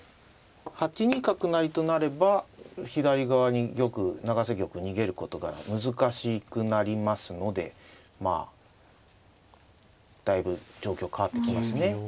８二角成と成れば左側に玉永瀬玉逃げることが難しくなりますのでまあだいぶ状況変わってきますね。